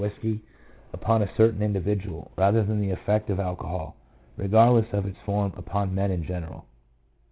5 1 whisky upon a certain individual, rather than the effect of alcohol, regardless of its form, upon men in general.